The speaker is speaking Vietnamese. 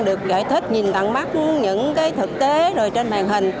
được giải thích nhìn tặng mắt những thực tế trên bàn hình